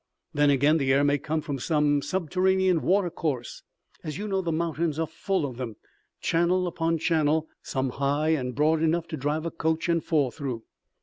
Then again, the air may come from some subterranean water course. As you know the mountains are full of them, channel upon channel, some high and broad enough to drive a coach and four through."